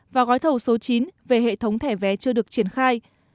và gói thầu số chín về hệ thống thẻ vé chưa được triển khai